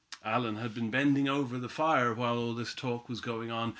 '" Allen had been bending over the fire while all this talk was going on.